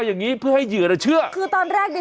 อย่างงี้เพื่อให้เหยื่อน่ะเชื่อคือตอนแรกเนี้ย